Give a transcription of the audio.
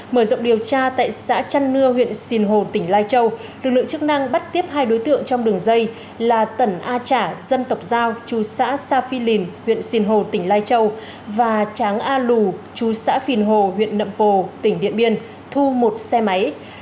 mở rộng điều tra tại xã trăn nưa huyện sìn hồ tỉnh lai châu lực lượng chức năng bắt tiếp hai đối tượng trong đường dây là tẩn a trả dân tộc giao chú xã sa phi lìn huyện sinh hồ tỉnh lai châu và tráng a lù chú xã phìn hồ huyện nậm pồ tỉnh điện biên thu một xe máy